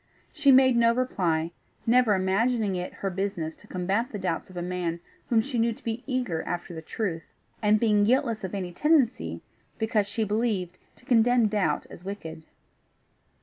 She made no reply, never imagining it her business to combat the doubts of a man whom she knew to be eager after the truth, and being guiltless of any tendency, because she believed, to condemn doubt as wicked.